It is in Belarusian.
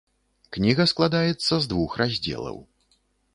Кніга складаецца з двух раздзелаў.